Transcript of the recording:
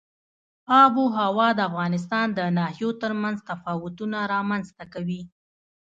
آب وهوا د افغانستان د ناحیو ترمنځ تفاوتونه رامنځ ته کوي.